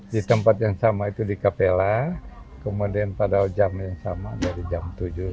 di tempat yang sama itu di capella kemudian pada jam yang sama dari jam tujuh